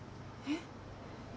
えっ？